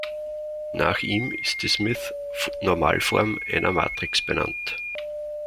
Nach ihm ist die Smith-Normalform einer Matrix benannt.